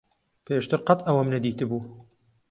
پێشتر قەت ئەوەم نەدیتبوو.